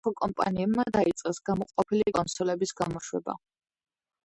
შედეგად სხვადასხვა კომპანიებმა დაიწყეს გამოყოფილი კონსოლების გამოშვება.